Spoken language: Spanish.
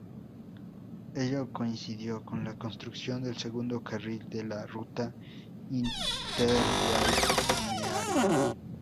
Ello coincidió con la construcción del segundo carril de la ruta Interbalnearia.